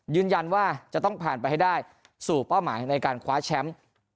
ยืนยันว่าจะต้องผ่านไปให้ได้สู่เป้าหมายในการคว้าแชมป์